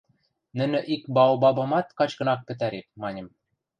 нӹнӹ ик баобабымат качкын ак пӹтӓреп, маньым.